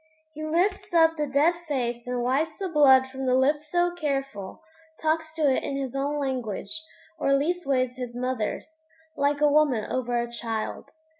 He lifts up the dead face and wipes the blood from the lips so careful; talks to it in his own language (or leastways his mother's) like a woman over a child.